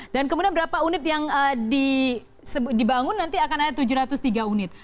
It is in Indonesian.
dan kemudian berapa unit yang dibangun nanti akan ada tujuh ratus tiga unit